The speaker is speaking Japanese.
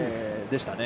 でしたね。